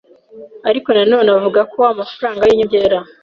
Ariko nanone avuga ko amafaranga y'inyongera